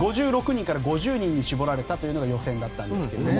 ５６人から５０人に絞られたというのが予選だったんですが。